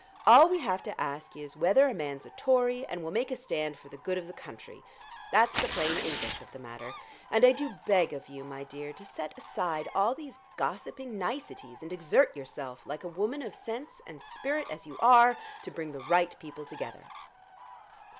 All we have to ask is, whether a man's a Tory, and will make a stand for the good of the country? that's the plain English of the matter. And I do beg of you, my dear, to set aside all these gossiping niceties, and exert yourself, like a woman of sense and spirit as you are, to bring the right people together."